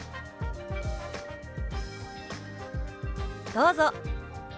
どうぞ！